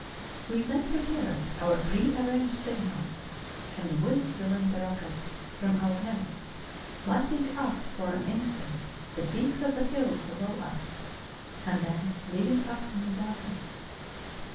We then prepared our pre arranged signal; and whiz went a rocket from our nest, lighting up for an instant the peaks of the hills below us, and then leav¬ ing us in darkness.